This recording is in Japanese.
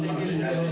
お！